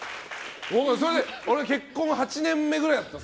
それで俺結婚８年目くらいだった。